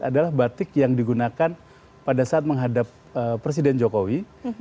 adalah batik yang digunakan pada saat menghadap presiden jokowi